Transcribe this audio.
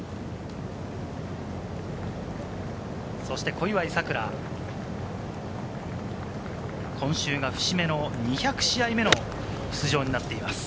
そして小祝さくら、今週が節目の２００試合目の出場になっています。